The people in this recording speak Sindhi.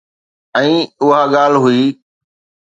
۽ اها ڳالهه هئي.